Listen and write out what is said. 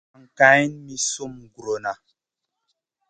Vul bahd geyn mi sum gurona.